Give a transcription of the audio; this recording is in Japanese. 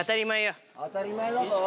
当たり前よ。